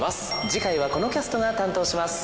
次回はこのキャストが担当します。